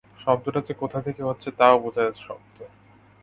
শব্দটা যে কোথা থেকে হচ্ছে তাও স্পষ্ট বোঝা শক্ত।